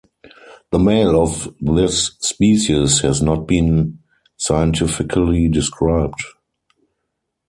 The male of this species has not been scientifically described.